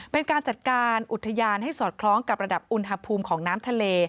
เป็นการจัดการอุทยานให้สอดคล้องกับระดับอุณหภูมิของน้ำทะเล